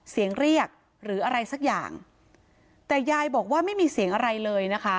เสียงเรียกหรืออะไรสักอย่างแต่ยายบอกว่าไม่มีเสียงอะไรเลยนะคะ